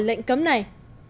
lệnh cấm này